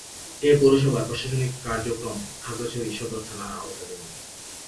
এ পৌরসভার প্রশাসনিক কার্যক্রম খাগড়াছড়ি সদর থানার আওতাধীন।